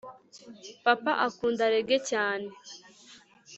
papa akunda reggae cyane